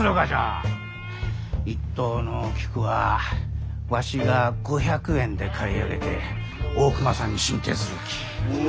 一等の菊はわしが５００円で買い上げて大隈さんに進呈するき。